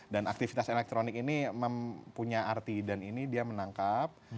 dan aktivitas elektronik ini mempunyai arti dan ini dia menangkap